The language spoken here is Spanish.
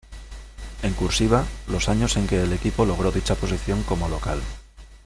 En "cursiva", los años en que el equipo logró dicha posición como local.